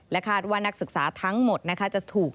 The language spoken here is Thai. คาดว่านักศึกษาทั้งหมดจะถูก